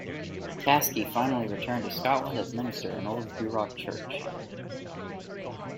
Caskie finally returned to Scotland as minister in Old Gourock Church.